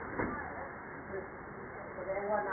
แสดงหัวนานได้หรอหัวนาน